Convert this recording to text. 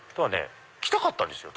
来たかったんですよ